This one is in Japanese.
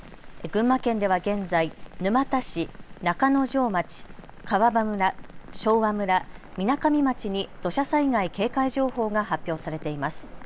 群馬県では現在、沼田市、中之条町、川場村、昭和村、みなかみ町に土砂災害警戒情報が発表されています。